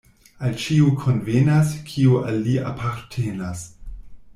Al ĉiu konvenas, kio al li apartenas.